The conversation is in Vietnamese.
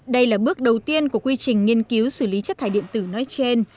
đây là bước đầu tiên của quy trình nghiên cứu xử lý chất thải điện tử nói trên